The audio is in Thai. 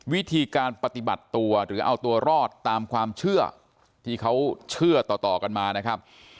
วิธีการปฏิบัติตัวหรือเอาตัวรอดตามความเชื่อที่เขาเชื่อต่อกันมานะครับ